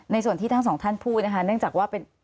ส่วนที่ทั้งสองท่านพูดนะคะเนื่องจากว่าเป็น